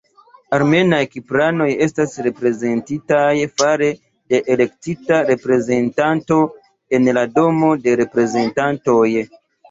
Armenaj-kipranoj estas reprezentitaj fare de elektita reprezentanto en la Domo de Reprezentantoj.